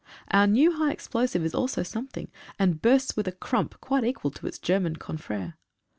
Our new high explosive is also something, and bursts with a "krump" quite equal to its German confrere.